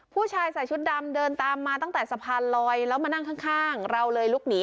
ผู้ชายใส่ชุดดำเดินตามมาตั้งแต่สะพานลอยแล้วมานั่งข้างเราเลยลุกหนี